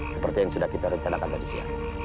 seperti yang sudah kita rencanakan tadi siang